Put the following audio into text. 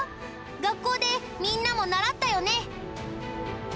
学校でみんなも習ったよね？